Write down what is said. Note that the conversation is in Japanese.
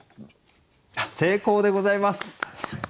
成功でございます！